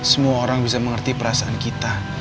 semua orang bisa mengerti perasaan kita